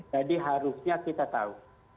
jadi harusnya kita tahu